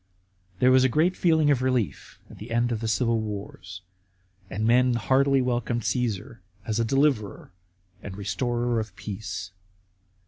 There was a general feeling of relief at the end of the civil wars, and men heartily welcomed Cassar as a deliverer and restorer of peace.